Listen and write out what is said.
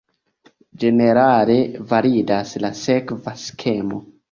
Ĝenerale validas la sekva skemo.